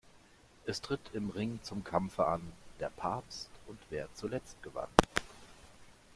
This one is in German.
Es tritt im Ring zum Kampfe an: Der Papst und wer zuletzt gewann.